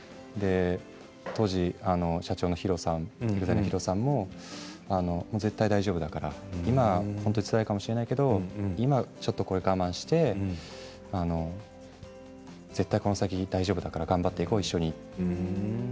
当時、社長のＨＩＲＯさんＥＸＩＬＥのＨＩＲＯさんも絶対に大丈夫だから今はつらいかもしれないけどちょっと我慢して絶対にこの先、大丈夫だから頑張っていこう、一緒にと。